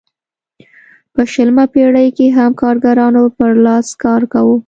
په شلمه پېړۍ کې هم کارګرانو پر لاس کار کاوه.